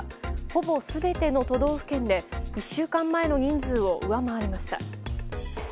ほぼ全ての都道府県で１週間前の人数を上回りました。